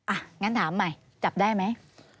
อ่ะงั้นถามใหม่จับได้ไหม